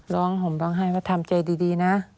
ห่มร้องไห้ว่าทำใจดีนะ